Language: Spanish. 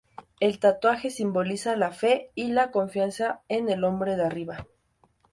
El tatuaje simboliza "la fe y la confianza en el hombre de arriba".